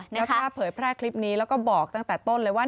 แล้วถ้าเผยแพร่คลิปนี้แล้วก็บอกตั้งแต่ต้นเลยว่า